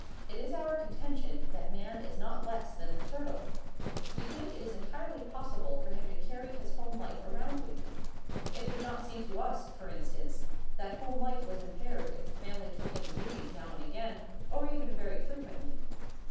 It is our contention that man is not less than the turtle. We think it is entirely possible for him to carry his home life around with him. It would not seem to us, for instance, that home life was impaired if the family took in the movies now and again or even very frequently.